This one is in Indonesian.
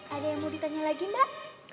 ada yang mau ditanya lagi mbak